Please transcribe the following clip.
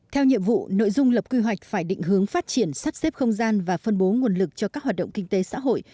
theo nhiệm vụ nội dung lập quy hoạch phải định hướng phát triển sắp xếp không gian và phân bố nguồn lực cho các hoạt động kinh tế xã hội